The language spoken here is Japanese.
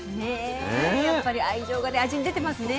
やっぱり愛情がね味に出てますね。